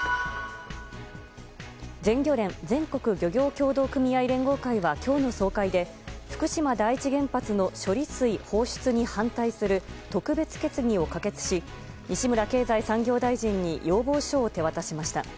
全漁連・全国漁業協同組合連合会は今日の総会で福島第一原発の処理水放出に反対する特別決議を可決し西村経済産業大臣に要望書を手渡しました。